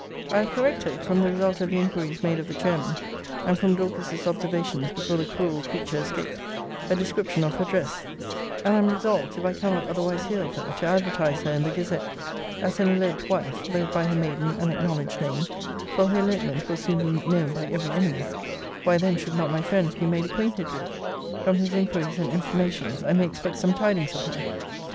I have corrected, from the result of the inquiries made of the chairman, and from Dorcas's observations before the cruel creature escaped, a description of her dress; and am resolved, if I cannot otherwise hear of her, to advertise her in the gazette, as an eloped wife, both by her maiden and acknowledged name; for her elopement will soon be known by every enemy: why then should not my friends be made acquainted with it, from whose inquiries and informations I may expect some tidings of her?